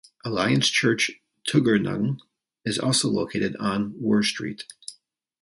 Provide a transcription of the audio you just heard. Alliance Church Tuggeranong is also located on Were Street.